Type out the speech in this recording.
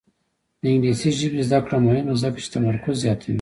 د انګلیسي ژبې زده کړه مهمه ده ځکه چې تمرکز زیاتوي.